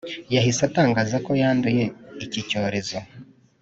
yahise atangaza ko yanduye iki cyorezo